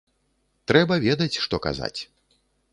Трэба ведаць, што казаць.